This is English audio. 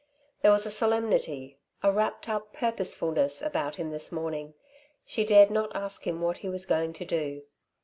There was a solemnity, a wrapped up purposefulness about him this morning; she dared not ask him what he was going to do.